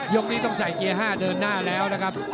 นี้ต้องใส่เกียร์๕เดินหน้าแล้วนะครับ